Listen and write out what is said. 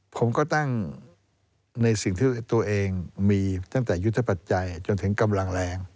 ผมก็ตั้งในสิ่งที่ตัวเองมีตั้งแต่ยุทธปัจจัยจนถึงกำลังแรง